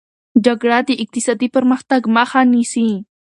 جګړه د اقتصادي پرمختګ مخه نیسي.